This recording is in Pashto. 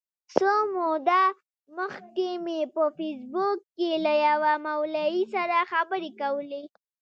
څه موده مخکي مي په فېسبوک کي له یوه مولوي سره خبري کولې.